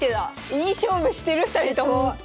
いい勝負してる２人とも！